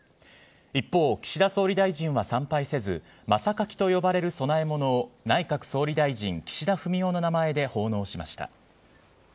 一方、岸田総理大臣は参拝せず、真榊と呼ばれる供え物を内閣総理大臣・岸田文雄の名前で奉納しました。